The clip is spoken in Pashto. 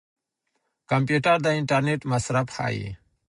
کمپيوټر د انټرنيټ مصرف ښيي.